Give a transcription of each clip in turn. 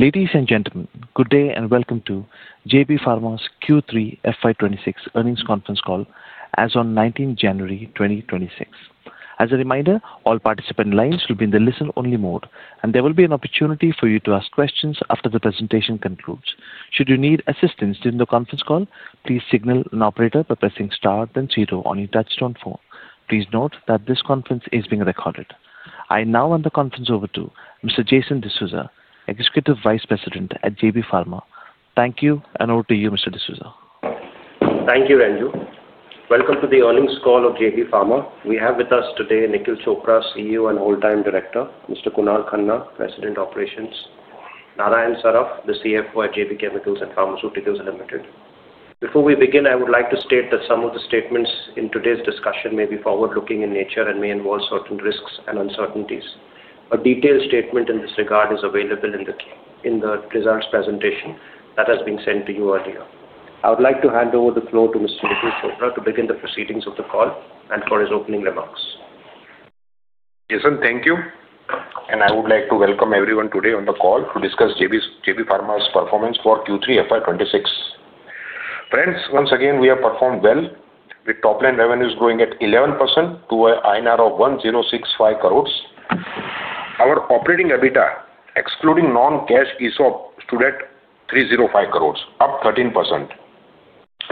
Ladies and gentlemen, good day and welcome to JB Pharma's Q3 FY26 earnings conference call as of 19th January 2026. As a reminder, all participant lines will be in the listen-only mode, and there will be an opportunity for you to ask questions after the presentation concludes. Should you need assistance during the conference call, please signal an operator by pressing star then zero on your touch-tone phone. Please note that this conference is being recorded. I now hand the conference over to Mr. Jason D'Souza, Executive Vice President at JB Pharma. Thank you, and over to you, Mr. D'souza. Thank you, Ranju. Welcome to the earnings call of JB Pharma. We have with us today Nikhil Chopra, CEO and whole-time director; Mr. Kunal Khanna, President of Operations; Narayan Saraf, the CFO at JB Chemicals & Pharmaceuticals. Before we begin, I would like to state that some of the statements in today's discussion may be forward-looking in nature and may involve certain risks and uncertainties. A detailed statement in this regard is available in the results presentation that has been sent to you earlier. I would like to hand over the floor to Mr. Nikhil Chopra to begin the proceedings of the call and for his opening remarks. Jason, thank you. I would like to welcome everyone today on the call to discuss JB Pharma's performance for Q3 FY26. Friends, once again, we have performed well, with top-line revenues growing at 11% to 1065 crores INR. Our operating EBITDA, excluding non-cash, is of 305 crores, up 13%,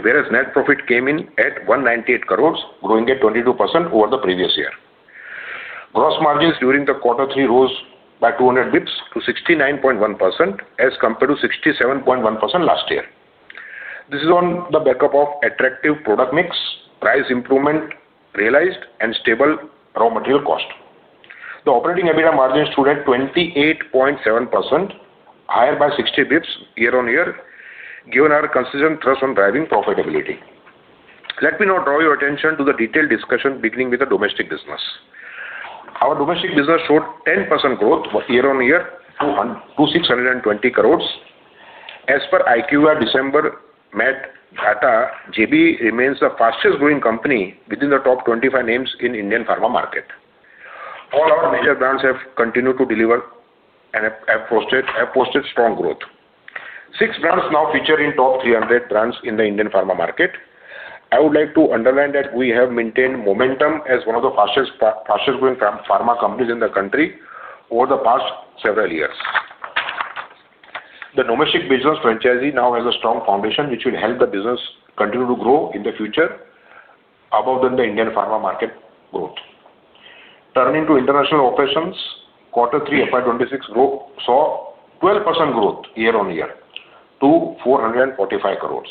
whereas net profit came in at 198 crores, growing at 22% over the previous year. Gross margins during the quarter three rose by 200 basis points to 69.1% as compared to 67.1% last year. This is on the back of attractive product mix, price improvement realized, and stable raw material cost. The operating EBITDA margin stood at 28.7%, higher by 60 basis points year-on-year, given our consistent thrust on driving profitability. Let me now draw your attention to the detailed discussion beginning with the domestic business. Our domestic business showed 10% growth year-on-year to 620 crores. As per IQVIA December MAT data, JB remains the fastest-growing company within the top 25 names in the Indian pharma market. All our major brands have continued to deliver and have posted strong growth. Six brands now feature in the top 300 brands in the Indian pharma market. I would like to underline that we have maintained momentum as one of the fastest-growing pharma companies in the country over the past several years. The domestic business franchise now has a strong foundation which will help the business continue to grow in the future above the Indian pharma market growth. Turning to international operations, quarter three FY26 saw 12% growth year-on-year to 445 crores.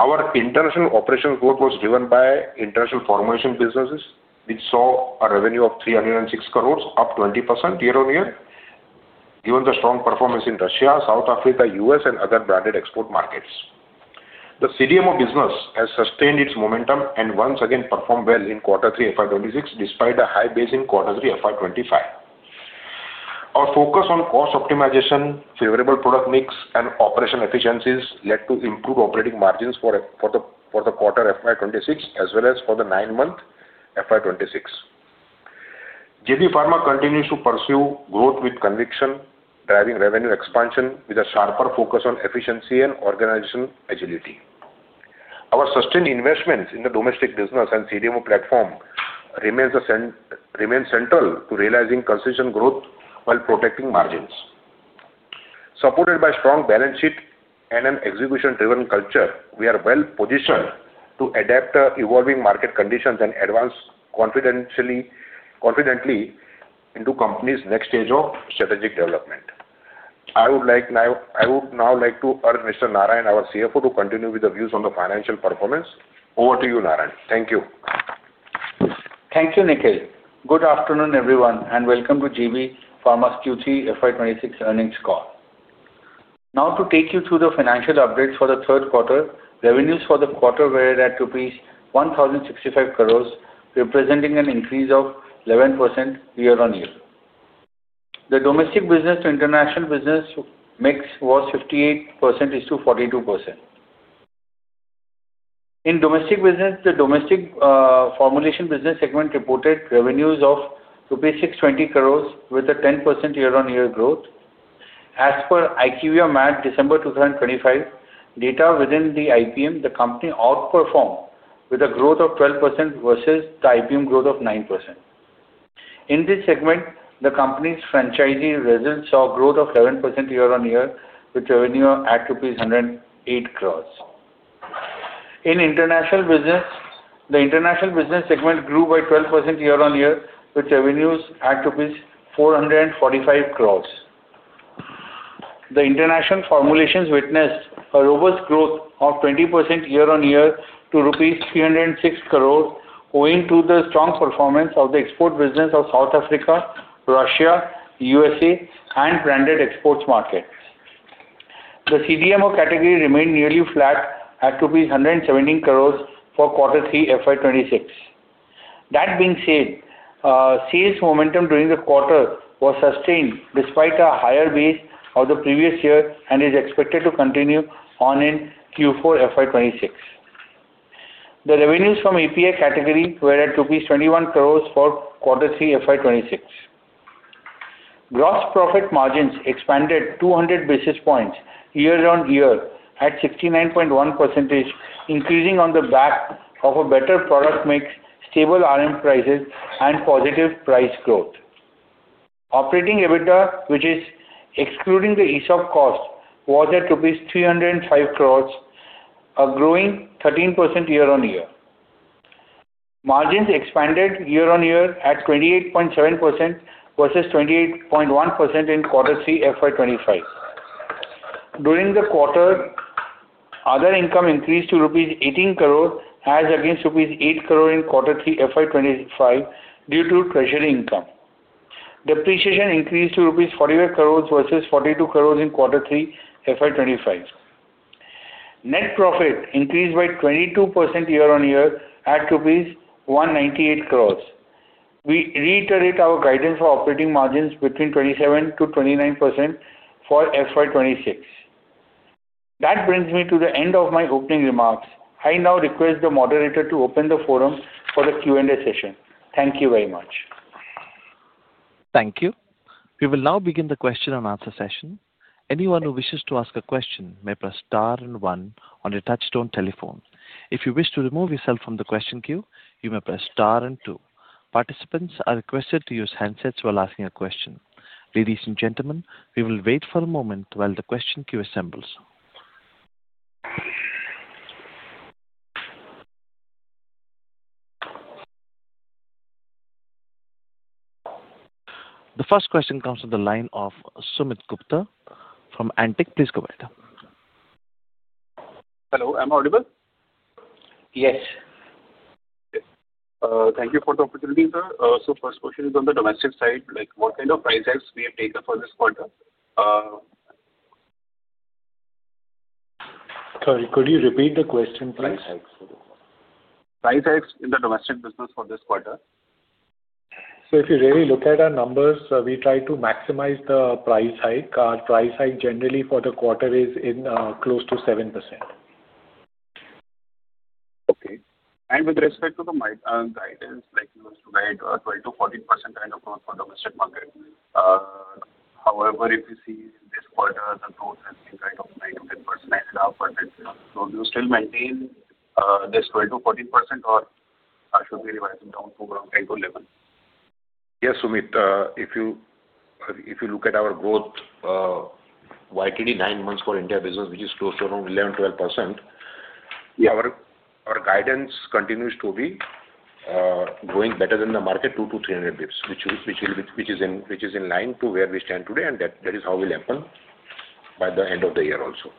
Our international operation growth was driven by international pharmaceutical businesses, which saw a revenue of 306 crores, up 20% year-on-year, given the strong performance in Russia, South Africa, U.S., and other branded export markets. The CDMO business has sustained its momentum and once again performed well in quarter three FY26, despite a high base in quarter three FY25. Our focus on cost optimization, favorable product mix, and operation efficiencies led to improved operating margins for the quarter FY26 as well as for the nine-month FY26. JB Pharma continues to pursue growth with conviction, driving revenue expansion with a sharper focus on efficiency and organizational agility. Our sustained investments in the domestic business and CDMO platform remain central to realizing consistent growth while protecting margins. Supported by a strong balance sheet and an execution-driven culture, we are well-positioned to adapt to evolving market conditions and advance confidently into the company's next stage of strategic development. I would now like to urge Mr. Narayan, our CFO, to continue with the views on the financial performance. Over to you, Narayan. Thank you. Thank you, Nikhil. Good afternoon, everyone, and welcome to JB Pharma's Q3 FY26 earnings call. Now, to take you through the financial updates for the third quarter, revenues for the quarter were at a peak of INR 1,065 crores, representing an increase of 11% year-on-year. The domestic business-to-international business mix was 58% to 42%. In domestic business, the domestic formulation business segment reported revenues of 620 crores rupees, with a 10% year-on-year growth. As per IQVIA MAT December 2025 data within the IPM, the company outperformed with a growth of 12% versus the IPM growth of 9%. In this segment, the company's franchise results saw a growth of 11% year-on-year, with revenue at rupees 108 crores. In international business, the international business segment grew by 12% year-on-year, with revenues at 445 crores. The international formulations witnessed a robust growth of 20% year-on-year to rupees 306 crores, owing to the strong performance of the export business of South Africa, Russia, USA, and branded exports markets. The CDMO category remained nearly flat at INR 117 crores for quarter three FY26. That being said, sales momentum during the quarter was sustained despite a higher base of the previous year and is expected to continue on in Q4 FY26. The revenues from API category were at INR 21 crores for quarter three FY26. Gross profit margins expanded 200 basis points year-on-year at 69.1%, increasing on the back of a better product mix, stable RM prices, and positive price growth. Operating EBITDA, which is excluding the ESOP cost, was at INR 305 crores, a growing 13% year-on-year. Margins expanded year-on-year at 28.7% versus 28.1% in quarter three FY25. During the quarter, other income increased to rupees 18 crores as against rupees 8 crores in quarter three FY25 due to treasury income. Depreciation increased to rupees 41 crores versus 42 crores in quarter three FY25. Net profit increased by 22% year-on-year at rupees 198 crores. We reiterate our guidance for operating margins between 27% to 29% for FY26. That brings me to the end of my opening remarks. I now request the moderator to open the forum for the Q&A session. Thank you very much. Thank you. We will now begin the question and answer session. Anyone who wishes to ask a question may press star and one on your touch-tone telephone. If you wish to remove yourself from the question queue, you may press star and two. Participants are requested to use handsets while asking a question. Ladies and gentlemen, we will wait for a moment while the question queue assembles. The first question comes from the line of Sumit Gupta from Antique. Please go ahead. Hello. Am I audible? Yes. Thank you for the opportunity, sir. So first question is on the domestic side. What kind of price hikes we have taken for this quarter? Sorry, could you repeat the question, please? Price hikes in the domestic business for this quarter? So if you really look at our numbers, we try to maximize the price hike. Our price hike generally for the quarter is close to 7%. Okay. And with respect to the guidance, like you guys provide, 12%-14% kind of growth for the domestic market. However, if you see this quarter, the growth has been kind of 9%-10%, 9.5%. So do you still maintain this 12%-14%, or should we be writing down to around 10%-11%? Yes, Sumit. If you look at our growth over nine months for India business, which is close to around 11%-12%, our guidance continues to be growing better than the market, 200-300 bips, which is in line to where we stand today, and that is how we'll happen by the end of the year also.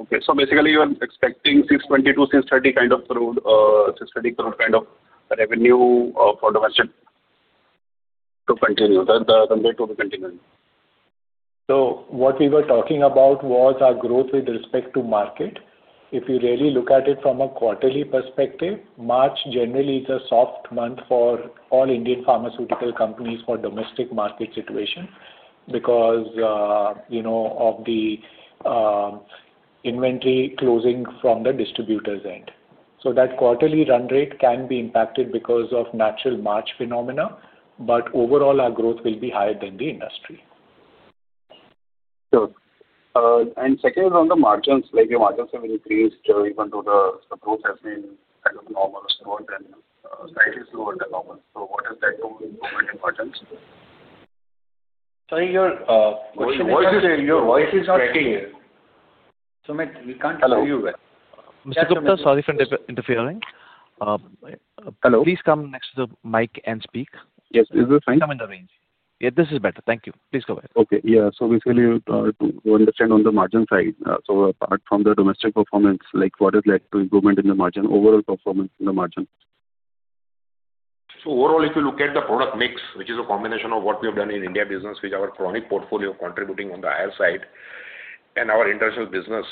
Okay. So basically, you are expecting 620-630 kind of growth, INR 630 crore kind of revenue for domestic to continue to be continuing? So what we were talking about was our growth with respect to market. If you really look at it from a quarterly perspective, March generally is a soft month for all Indian pharmaceutical companies for domestic market situation because of the inventory closing from the distributor's end. So that quarterly run rate can be impacted because of natural March phenomena, but overall, our growth will be higher than the industry. Sure. Secondly, on the margins, your margins have increased even though the growth has been kind of normal, slower than normal. What is that improvement in margins? Sorry, your voice is not clear. Sumit, we can't hear you well. Mr. Gupta, sorry for interfering. Hello? Please come next to the mic and speak. Yes, this is fine. Come in the range. Yeah, this is better. Thank you. Please go ahead. Okay. Yeah. So basically, to understand on the margin side, so apart from the domestic performance, what has led to improvement in the margin, overall performance in the margin? So overall, if you look at the product mix, which is a combination of what we have done in India business, which our chronic portfolio contributing on the higher side, and our international business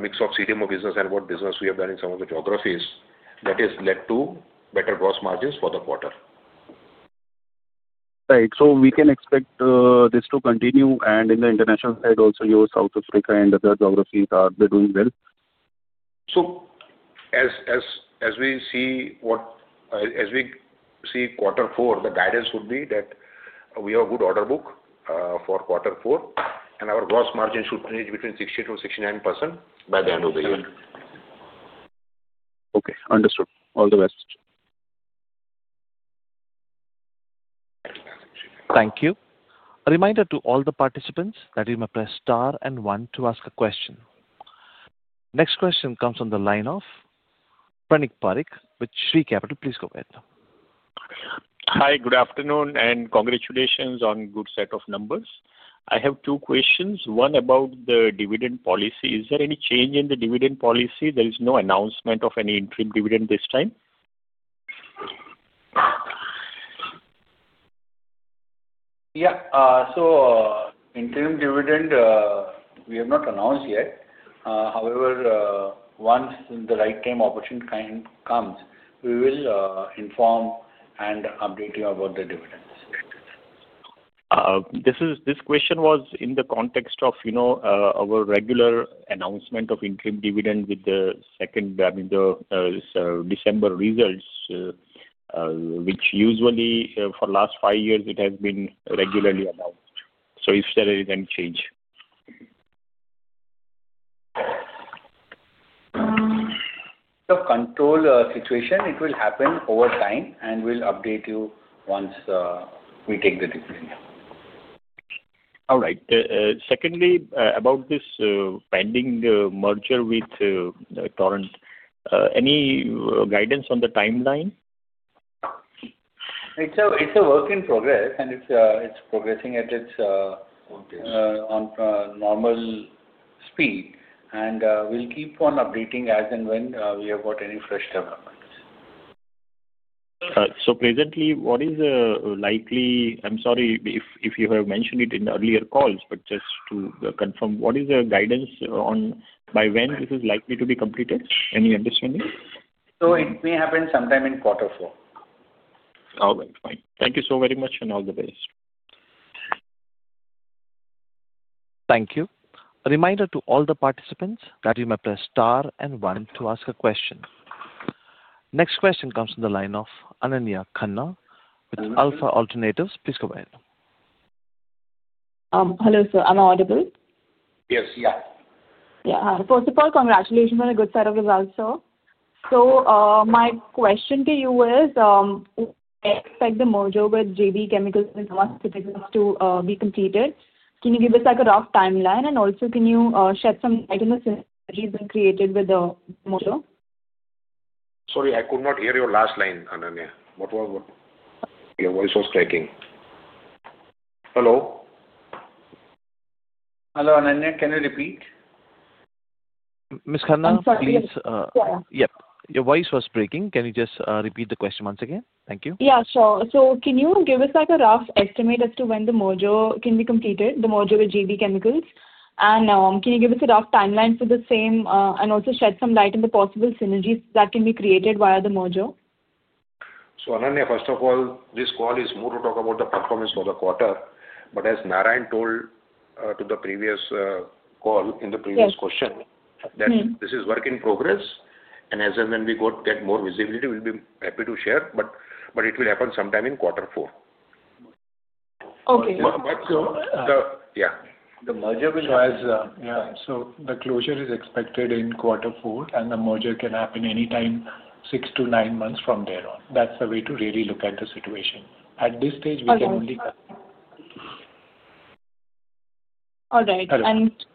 mix of CDMO business and what business we have done in some of the geographies, that has led to better gross margins for the quarter. Right, so we can expect this to continue, and in the international side also, your South Africa and other geographies are doing well. As we see quarter four, the guidance would be that we have a good order book for quarter four, and our gross margin should range between 60%-69% by the end of the year. Okay. Understood. All the best. Thank you. A reminder to all the participants that you may press star and one to ask a question. Next question comes from the line of Pranik Parikh with Shree Capital. Please go ahead. Hi, good afternoon, and congratulations on a good set of numbers. I have two questions. One about the dividend policy. Is there any change in the dividend policy? There is no announcement of any interim dividend this time. Yeah. So interim dividend, we have not announced yet. However, once the right time opportunity comes, we will inform and update you about the dividends. This question was in the context of our regular announcement of interim dividend with the second, I mean, the December results, which usually for the last five years, it has been regularly announced. So if there is any change. The control situation, it will happen over time, and we'll update you once we take the decision. All right. Secondly, about this pending merger with Torrent, any guidance on the timeline? It's a work in progress, and it's progressing at its normal speed, and we'll keep on updating as and when we have got any fresh developments. So presently, what is the likely, I'm sorry if you have mentioned it in earlier calls, but just to confirm, what is the guidance on by when this is likely to be completed? Any understanding? So it may happen sometime in quarter four. All right. Fine. Thank you so very much, and all the best. Thank you. A reminder to all the participants that you may press star and one to ask a question. Next question comes from the line of Ananya Khanna with Alpha Alternatives. Please go ahead. Hello, sir. Am I audible? Yes. Yeah. Yeah. First of all, congratulations on a good set of results, sir. So my question to you is, when do you expect the merger with JB Chemicals & Pharmaceuticals to be completed? Can you give us a rough timeline? And also, can you shed some light on the synergies being created with the merger? Sorry, I could not hear your last line, Ananya. Your voice was cracking. Hello? Hello, Ananya. Can you repeat? Ms. Khanna, please. I'm sorry. Yep. Your voice was breaking. Can you just repeat the question once again? Thank you. Yeah, sure. So can you give us a rough estimate as to when the merger can be completed, the merger with JB Chemicals? And can you give us a rough timeline for the same and also shed some light on the possible synergies that can be created via the merger? So Ananya, first of all, this call is more to talk about the performance for the quarter. But as Narayan told to the previous call in the previous question, this is work in progress. And as and when we get more visibility, we'll be happy to share. But it will happen sometime in quarter four. Okay. Yeah. The merger requires, yeah. So the closure is expected in quarter four, and the merger can happen anytime, six to nine months from there on. That's the way to really look at the situation. At this stage, we can only. All right. Yes.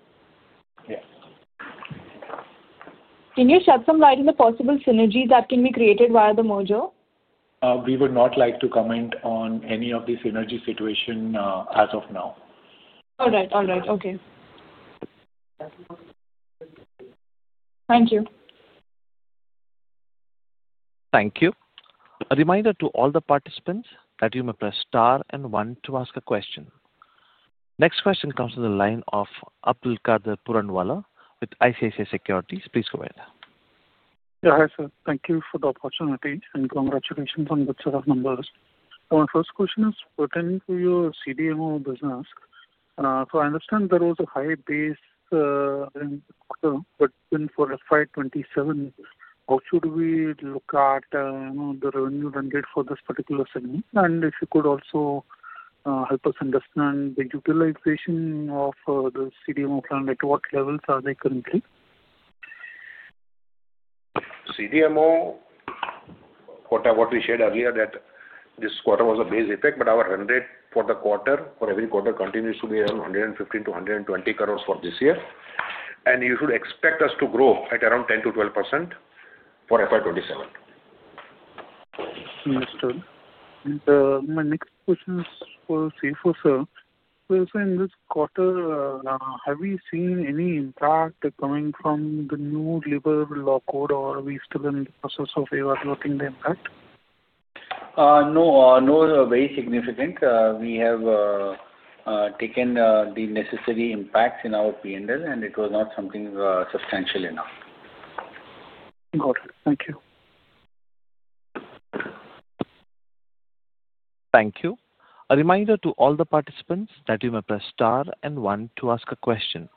Can you shed some light on the possible synergies that can be created via the merger? We would not like to comment on any of the synergy situation as of now. All right. All right. Okay. Thank you. Thank you. A reminder to all the participants that you may press star and one to ask a question. Next question comes from the line of Abdul Qadir Puranwala with ICICI Securities. Please go ahead. Yeah. Hi, sir. Thank you for the opportunity, and congratulations on the set of numbers. So my first question is, pertaining to your CDMO business, so I understand there was a high base effect for FY27. How should we look at the revenue run-rate for this particular segment? And if you could also help us understand the utilization of the CDMO plant, at what levels are they currently? CDMO, what we shared earlier, that this quarter was a base effect, but our run rate for the quarter, for every quarter, continues to be around 115-120 crores for this year, and you should expect us to grow at around 10%-12% for FY27. Understood. And my next question is for Saraf, sir. So in this quarter, have we seen any impact coming from the new labor law code, or are we still in the process of evaluating the impact? No. Not very significant. We have taken the necessary impacts in our P&L, and it was not something substantial enough. Got it. Thank you. Thank you. A reminder to all the participants that you may press star and one to ask a question.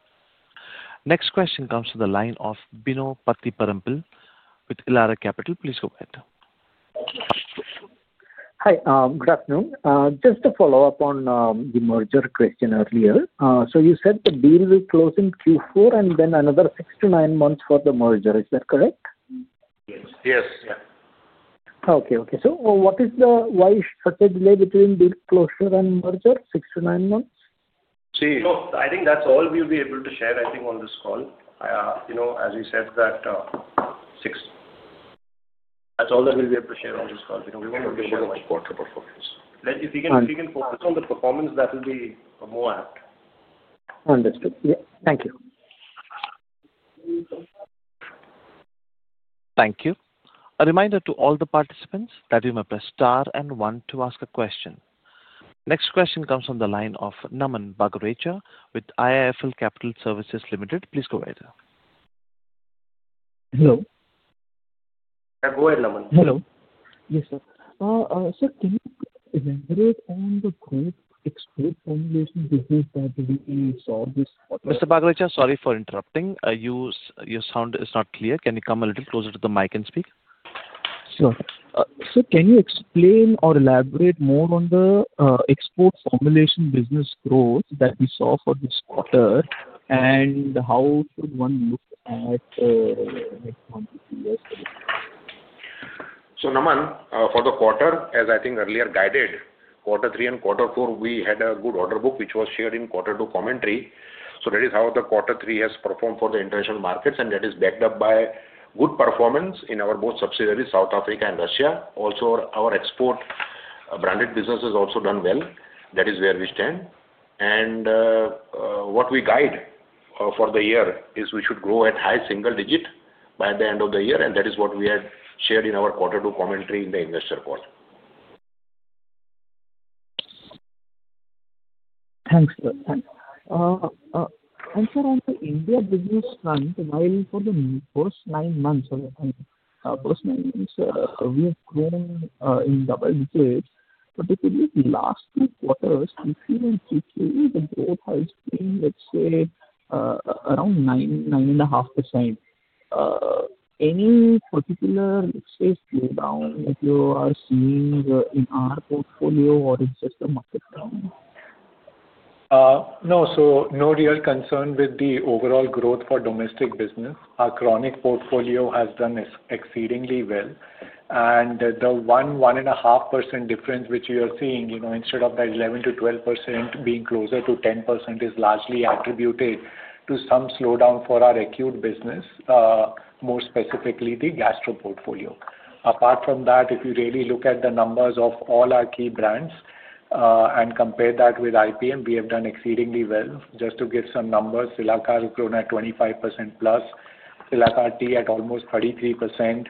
Next question comes from the line of Bino Pathiparampil with Elara Capital. Please go ahead. Hi. Good afternoon. Just to follow up on the merger question earlier, so you said the deal will close in Q4 and then another six to nine months for the merger. Is that correct? Yes. Yes. Yeah. Okay. So what is the why such a delay between deal closure and merger, six to nine months? See. So I think that's all we'll be able to share, I think, on this call. As you said, that's all that we'll be able to share on this call. We won't be able to. Quarterly performance. If you can focus on the performance, that will be more apt. Understood. Yeah. Thank you. Thank you. A reminder to all the participants that you may press star and one to ask a question. Next question comes from the line of Naman Baghrecha with IIFL Capital Services Limited. Please go ahead. Hello. Yeah. Go ahead, Naman. Hello. Yes, sir, so can you elaborate on the growth ex formulations business that we saw this quarter? Mr. Bagrecha, sorry for interrupting. Your sound is not clear. Can you come a little closer to the mic and speak? Sure. Can you explain or elaborate more on the export formulation business growth that we saw for this quarter, and how should one look at next month to two years to the quarter? So, Naman, for the quarter, as I think earlier guided, quarter three and quarter four, we had a good order book, which was shared in quarter two commentary. So that is how the quarter three has performed for the international markets, and that is backed up by good performance in our both subsidiaries, South Africa and Russia. Also, our export branded business has also done well. That is where we stand. And what we guide for the year is we should grow at high single digit by the end of the year, and that is what we had shared in our quarter two commentary in the investor call. Thanks. And so on the India business front, while for the first nine months we have grown in double digits, but within the last two quarters, if you want to say the growth has been, let's say, around 9%-9.5%. Any particular, let's say, slowdown that you are seeing in our portfolio or in system market down? No. So no real concern with the overall growth for domestic business. Our chronic portfolio has done exceedingly well. And the 1%, 1.5% difference which you are seeing, instead of that 11%-12% being closer to 10%, is largely attributed to some slowdown for our acute business, more specifically the gastro portfolio. Apart from that, if you really look at the numbers of all our key brands and compare that with IPM, we have done exceedingly well. Just to give some numbers, Cilacar has grown at 25% plus, Cilacar T at almost 33%,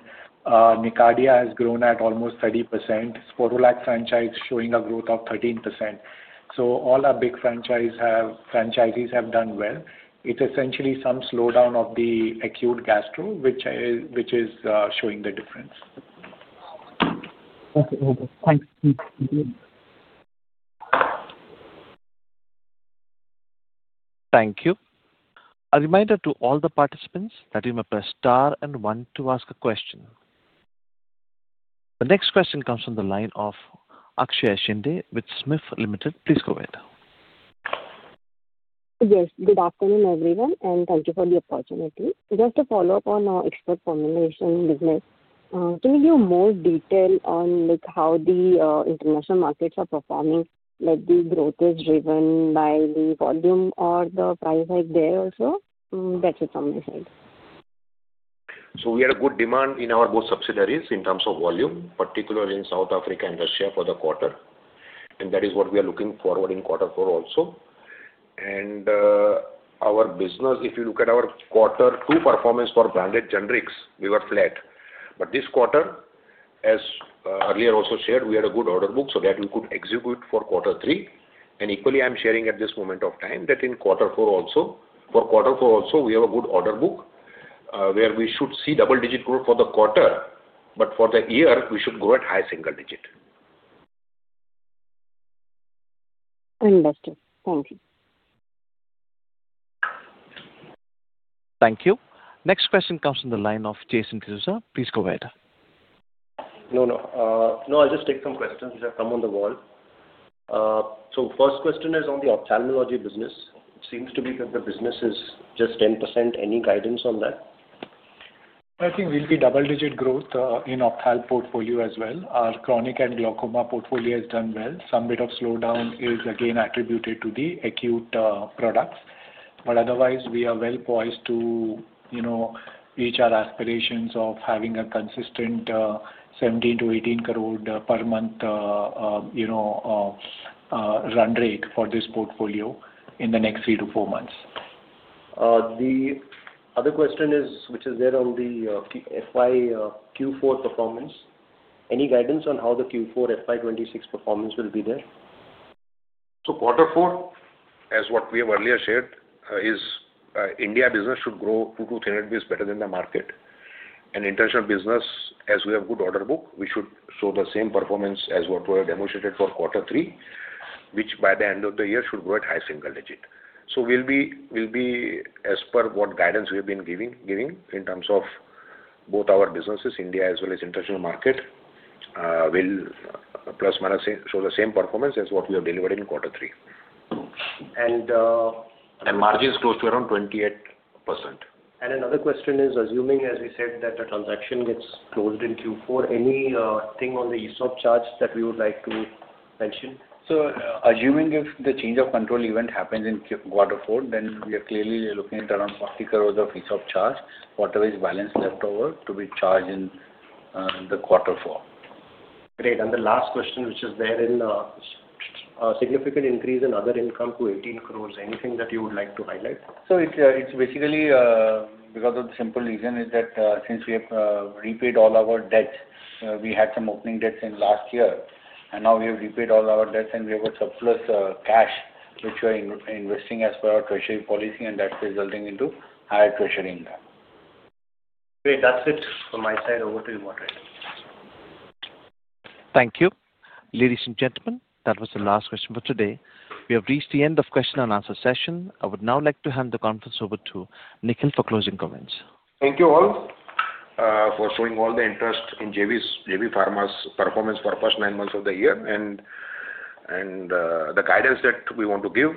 Nicardia has grown at almost 30%, Sporlac franchise showing a growth of 13%. So all our big franchises have done well. It's essentially some slowdown of the acute gastro, which is showing the difference. Okay. Thanks. Thank you. Thank you. A reminder to all the participants that you may press star and one to ask a question. The next question comes from the line of Akshay Shinde with SMIFS Limited. Please go ahead. Yes. Good afternoon, everyone, and thank you for the opportunity. Just to follow up on our export formulation business, can you give more detail on how the international markets are performing, like the growth is driven by the volume or the price hike there also? That's it from my side. So we had a good demand in our both subsidiaries in terms of volume, particularly in South Africa and Russia for the quarter. And that is what we are looking forward to in quarter four also. And our business, if you look at our quarter two performance for branded generics, we were flat. But this quarter, as earlier also shared, we had a good order book so that we could execute for quarter three. And equally, I'm sharing at this moment of time that in quarter four also, for quarter four also, we have a good order book where we should see double-digit growth for the quarter, but for the year, we should grow at high single digit. Understood. Thank you. Thank you. Next question comes from the line of Jason D'souza. Please go ahead. No, no. No, I'll just take some questions which have come on the wall. So first question is on the ophthalmology business. It seems to be that the business is just 10%. Any guidance on that? I think we'll see double-digit growth in ophthalmology portfolio as well. Our chronic and glaucoma portfolio has done well. Some bit of slowdown is again attributed to the acute products. But otherwise, we are well poised to reach our aspirations of having a consistent 17-18 crore per month run rate for this portfolio in the next three to four months. The other question is, which is there on the FY Q4 performance, any guidance on how the Q4 FY26 performance will be there? So, quarter four, as what we have earlier shared, is India business should grow two to 300 basis points better than the market. And international business, as we have good order book, we should show the same performance as what we have demonstrated for quarter three, which by the end of the year should grow at high single digit. So we'll be, as per what guidance we have been giving in terms of both our businesses, India as well as international market, will plus minus show the same performance as what we have delivered in quarter three. And margin is close to around 28%. Another question is, assuming, as we said, that the transaction gets closed in Q4, anything on the ESOP charge that we would like to mention? So assuming if the change of control event happens in quarter four, then we are clearly looking at around 40 crores of ESOP charge whatever is balanced leftover to be charged in the quarter four. Great. And the last question, which is there in the significant increase in other income to 18 crores, anything that you would like to highlight? So, it's basically because of the simple reason that since we have repaid all our debts, we had some opening debts in last year. And now we have repaid all our debts, and we have a surplus cash which we are investing as per our treasury policy, and that's resulting into higher treasury income. Great. That's it from my side. Over to you, Moderator. Thank you. Ladies and gentlemen, that was the last question for today. We have reached the end of question and answer session. I would now like to hand the conference over to Nikhil for closing comments. Thank you all for showing all the interest in JB Pharma's performance for the first nine months of the year. And the guidance that we want to give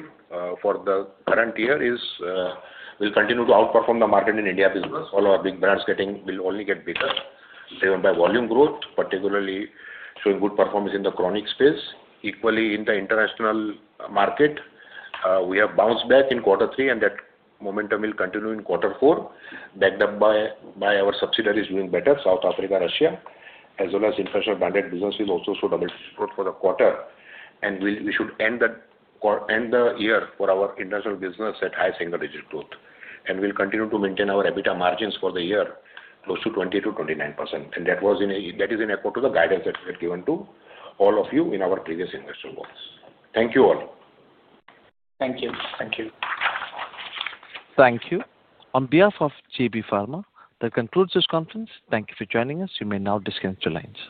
for the current year is we'll continue to outperform the market in India business. All our big brands will only get bigger driven by volume growth, particularly showing good performance in the chronic space. Equally, in the international market, we have bounced back in quarter three, and that momentum will continue in quarter four, backed up by our subsidiaries doing better, South Africa, Russia, as well as international branded businesses also show double-digit growth for the quarter. And we should end the year for our international business at high single digit growth. And we'll continue to maintain our EBITDA margins for the year close to 20%-29%. That is in accord to the guidance that we have given to all of you in our previous investor calls. Thank you all. Thank you. Thank you. Thank you. On behalf of JB Pharma, that concludes this conference. Thank you for joining us. You may now disconnect your lines.